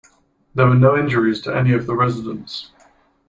There were no injuries to any of the residents.